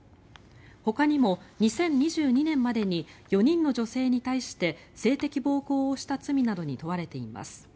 ほかにも２０２２年までに４人の女性に対して性的暴行をした罪などに問われています。